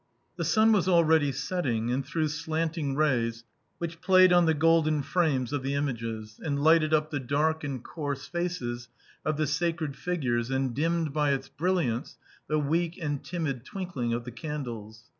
The sun was already setting and threw slanting rays which played on the golden frames of the images, and lighted up the dark and coarse faces of the sacred figures and dimmed by its brilliance the weak and timid twinkling of the candles.